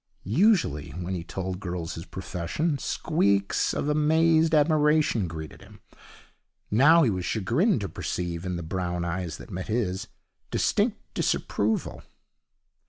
Usually, when he told girls his profession, squeaks of amazed admiration greeted him. Now he was chagrined to perceive in the brown eyes that met his distinct disapproval.